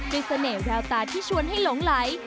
เสน่ห์แววตาที่ชวนให้หลงไหล